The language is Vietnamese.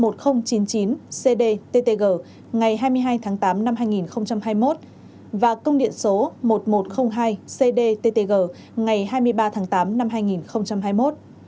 công điện số một nghìn chín mươi chín cdttg ngày hai mươi hai tháng tám năm hai nghìn hai mươi một và công điện số một nghìn một trăm linh hai cdttg ngày hai mươi ba tháng tám năm hai nghìn hai mươi một